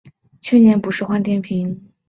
去年不是换电瓶